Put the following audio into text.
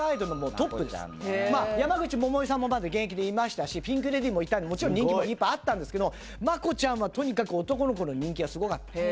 山口百恵さんもまだ現役でいましたしピンク・レディーもいたんでもちろん人気もいっぱいあったんですけど真子ちゃんはとにかく男の子の人気がすごかった。